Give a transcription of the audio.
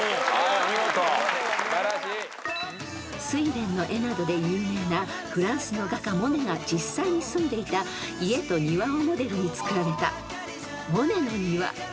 ［睡蓮の絵などで有名なフランスの画家モネが実際に住んでいた家と庭をモデルにつくられたモネの庭］